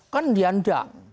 kan dia enggak